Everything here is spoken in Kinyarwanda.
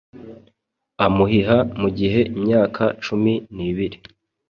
Amuhiha mugihe imyaka cumi nibiri